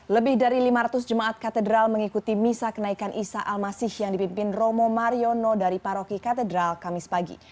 lebih dari lima ratus jemaat katedral mengikuti misa kenaikan isa al masihh yang dipimpin romo mariono dari paroki katedral kamis pagi